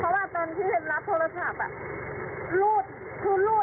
ทำไมถึงเอาเงินเป็นชีวิตปลูกโตรู้